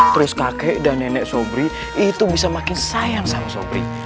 terus kakek dan nenek sobri itu bisa makin sayang sama sopri